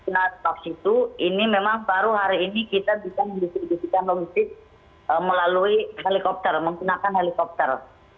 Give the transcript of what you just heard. nah setelah itu ini memang baru hari ini kita bisa mendistribusikan logistik melalui helikopter menggunakan helikopter